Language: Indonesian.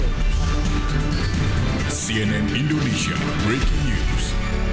cnn indonesia breaking news